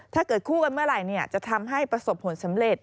ถ้าเกิดคู่กันเมื่อไหร่จะทำให้ประสบผลสำเร็จ